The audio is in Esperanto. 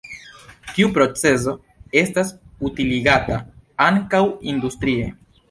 Tiu procezo estas utiligata ankaŭ industrie.